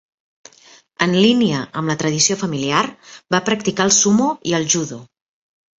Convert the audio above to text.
En línia amb la tradició familiar, va practicar el sumo i el judo.